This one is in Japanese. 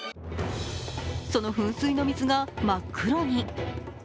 その噴水の水が真っ黒に。